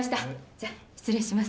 じゃあ失礼します。